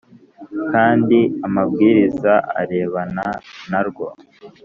kandi amabwiriza arebana na rwo